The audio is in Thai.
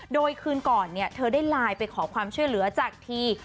โดยคืนก่อนเธอได้ไลน์ไปขอความช่วยเหลือจากที